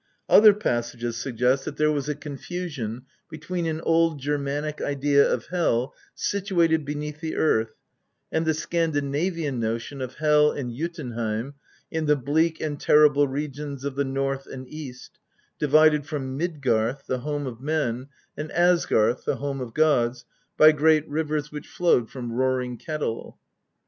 Other passages suggest XVT THE POETIC EDDA. that there was a confusion between an old Germanic idea of Hel situated beneath the earth and the Scandinavian notion of Hel and Jotunheim in the bleak and terrible regions of the north and east, divided from Midgarth, the home of men, and Asgarth, the home of gods, by great rivers which flowed from Roaring Kettle.